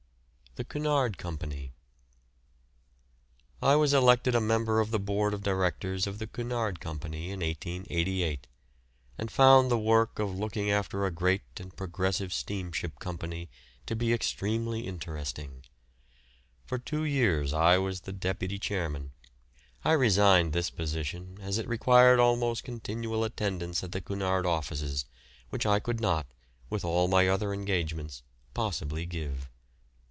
THE CUNARD COMPANY. I was elected a member of the board of directors of the Cunard Company in 1888, and found the work of looking after a great and progressive steamship company to be extremely interesting. For two years I was the deputy chairman. I resigned this position as it required almost continual attendance at the Cunard offices, which I could not, with all my other engagements, possibly give.